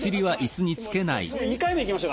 ２回目いきましょう。